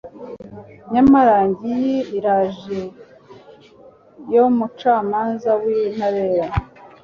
nyamara ngiyi iraje yo mucamanza w’intabera